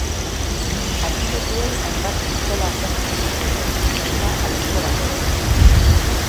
Atxilotuei hainbat pistola atzeman zizkieten, baita aizto bat ere.